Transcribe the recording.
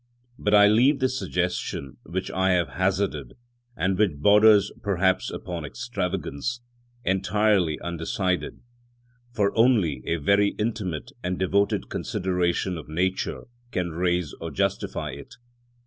But I leave this suggestion which I have hazarded, and which borders perhaps upon extravagance, entirely undecided, for only a very intimate and devoted consideration of nature can raise or justify it.